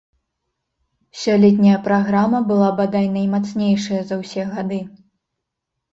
Сёлетняя праграма была, бадай, наймацнейшая за ўсе гады.